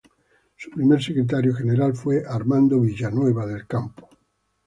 Su primer Secretario General fue Armando Villanueva del Campo.